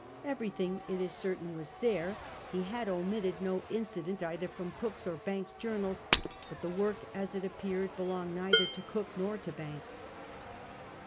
Everything, it is certain, was there; he had omitted no incident either from Cook's or Banks's journals, but the work, as it appeared, belonged neither to Cook nor to Banks.